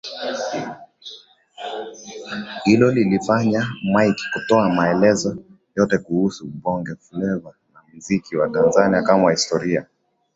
Hilo lilifanya Mike kutoa maelezo yote kuhusu Bongofleva na muziki wa Tanzania kama historia